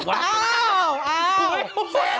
อ้าวคะ้าวเองรักอีกคน